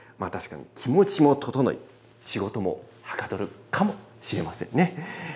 確かに気持ちも整い、仕事もはかどるかもしれませんね。